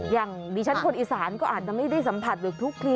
อย่างดิฉันคนอีสานก็อาจจะไม่ได้สัมผัสหรือคลุกคลี